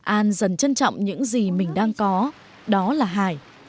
an dần trân trọng những gì mình đang có đó là hải